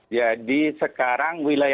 jadi sekarang wilayahnya